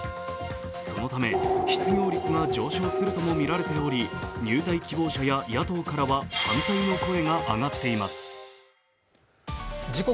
そのため失業率が上昇するともみられており入隊希望者や野党からは反対の声が上がっています。